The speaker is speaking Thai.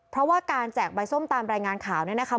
เพราะว่าการแจกใบส้มตามรายงานข่าวเนี่ยนะคะ